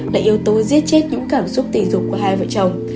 là yếu tố giết chết những cảm xúc tình dục của hai vợ chồng